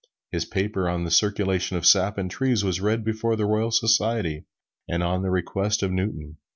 His paper on the circulation of sap in trees was read before the Royal Society, on the request of Newton.